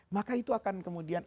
maka itu akan kemudian